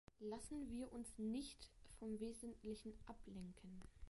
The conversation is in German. Lassen wir uns nicht vom Wesentlichen ablenken!